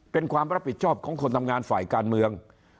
เป็นความรับผิดชอบของคนทำงานฝ่ายการเมือง